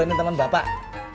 ini teman bapak